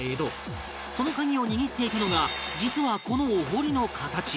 その鍵を握っていたのが実はこのお堀の形